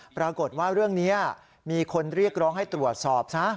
ปรากฏว่าเรื่องนี้มีคนเรียกร้องให้ตรวจสอบซะ